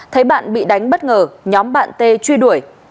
thấy bạn bị đánh bất ngờ nhóm bạn tê truy đuổi